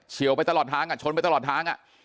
เฉียวไปตลอดทางอะชนไปตลอดทางอะ